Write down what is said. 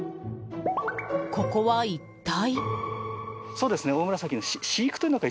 ここは一体？